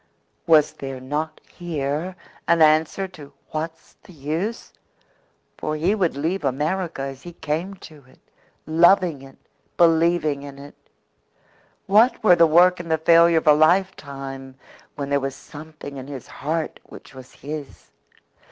Was there not here an answer to "What's the use?" For he would leave America as he came to it loving it, believing in it. What were the work and the failure of a lifetime when there was something in his heart which was his?